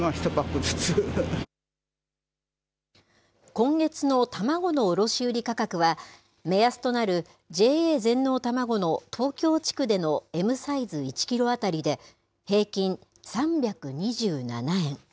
今月の卵の卸売り価格は、目安となるＪＡ全農たまごの東京地区でのＭサイズ１キロ当たりで平均３２７円。